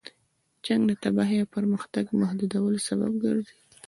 جنګ د تباهۍ او د پرمختګ محدودولو سبب ګرځي.